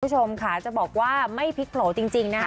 คุณผู้ชมค่ะจะบอกว่าไม่พลิกโผล่จริงนะคะ